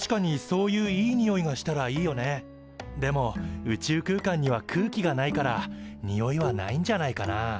でも宇宙空間には空気がないからにおいはないんじゃないかな。